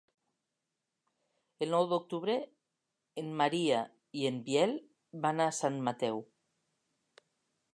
El nou d'octubre en Maria i en Biel van a Sant Mateu.